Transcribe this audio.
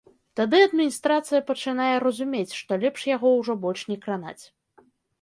Тады адміністрацыя пачынае разумець, што лепш яго ўжо больш не кранаць.